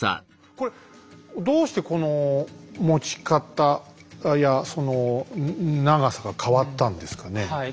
これどうしてこの持ち方やその長さが変わったんですかね？